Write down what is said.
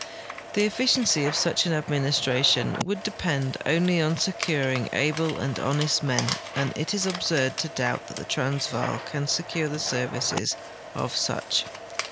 The efficiency of such an administration would depend only on securing al^le and honest men, and it is absurd to doubt that the Transvaal can secure the services of such.